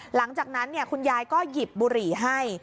หลังจากนั้นคุณยายก็หยิบบุหรี่ให้